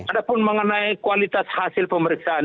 ada pun mengenai kualitas hasil pemeriksaan